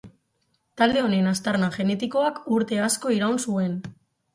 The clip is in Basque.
Talde honen aztarna genetikoak urte asko iraun zuen.